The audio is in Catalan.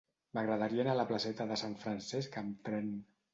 M'agradaria anar a la placeta de Sant Francesc amb tren.